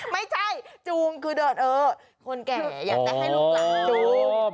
ไม่ใช่จูงคือเดินเออคนแก่อยากจะให้ลูกหลานจูง